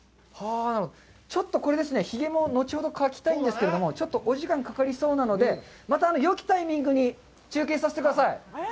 ちょっとこれですねひげも後ほど描きたいんですけどちょっとお時間かかりそうなのでまたよきタイミングに中継させてください。